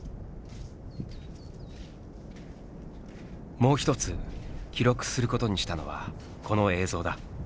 もう一つ記録することにしたのはこの映像だ。